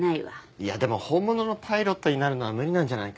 いやでも本物のパイロットになるのは無理なんじゃないか？